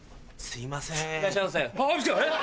すいません